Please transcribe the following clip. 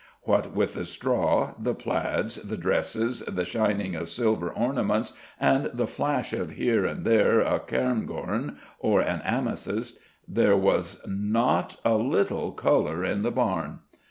What with the straw, the plaids, the dresses, the shining of silver ornaments, and the flash of here and there a cairngorm or an amethyst, there was not a little colour in the barn.